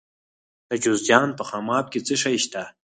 د جوزجان په خماب کې څه شی شته؟